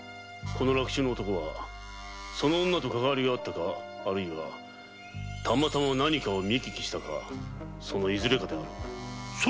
落首の男はその女とかかわりがあったか何かを見聞きしたかそのいずれかであろう。